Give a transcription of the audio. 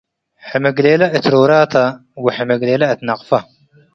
ሕምግሌለ እት ሮራ ተ - ወሕምግሌለ እት ነቅፈ